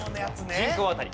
人口あたり。